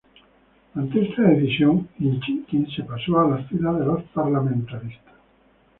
Ante esta decisión, Inchiquin se pasó a las filas de los Parlamentaristas.